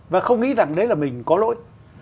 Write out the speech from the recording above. và không nghĩ rằng đấy là mình có lỗi